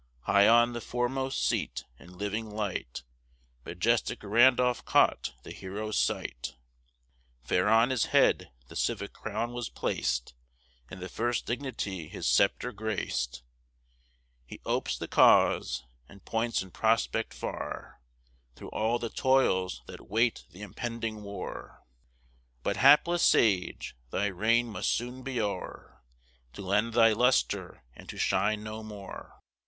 High on the foremost seat, in living light, Majestic Randolph caught the hero's sight: Fair on his head, the civic crown was plac'd, And the first dignity his sceptre grac'd. He opes the cause, and points in prospect far, Thro' all the toils that wait th' impending war But, hapless sage, thy reign must soon be o'er, To lend thy lustre, and to shine no more.